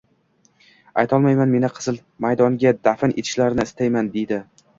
Aytolmayman, meni Qizil maydonga dafn etishlarini istayman, dedi.